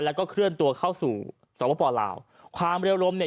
แล้วก็เคลื่อนตัวเข้าสู่สวปปลาวความเร็วลมเนี่ย